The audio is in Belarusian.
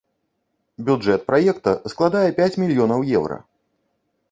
Бюджэт праекта складае пяць мільёнаў еўра.